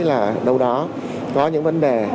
là đâu đó có những vấn đề